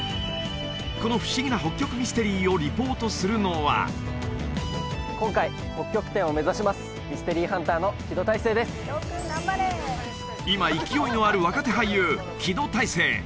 この不思議な北極ミステリーをリポートするのは今勢いのある若手俳優木戸大聖